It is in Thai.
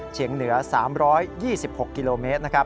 เฉียงเหนือ๓๒๖กิโลเมตร